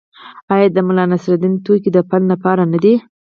آیا د ملانصرالدین ټوکې د پند لپاره نه دي؟